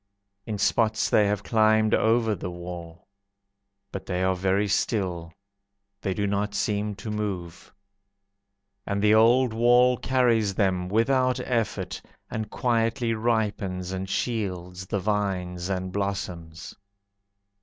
In spots they have climbed over the wall. But they are very still, They do not seem to move. And the old wall carries them Without effort, and quietly Ripens and shields the vines and blossoms.